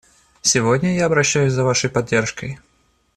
Сегодня я обращаюсь за вашей поддержкой.